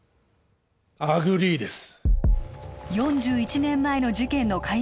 アグリーです